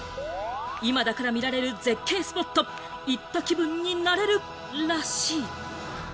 今だから見られる絶景スポット、行った気分になれるらしい。